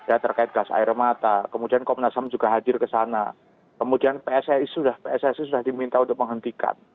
ya terkait gas air mata kemudian komnas ham juga hadir ke sana kemudian pssi sudah pssi sudah diminta untuk menghentikan